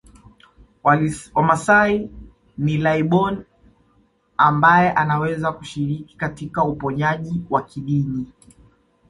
Wamasai ni laibon ambaye anaweza kushiriki katika uponyaji wa kidini